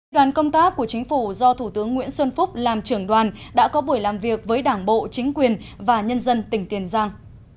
đoàn công tác của chính phủ do thủ tướng nguyễn xuân phúc làm trưởng đoàn đã có buổi làm việc với đảng bộ chính quyền và nhân dân tỉnh tiền giang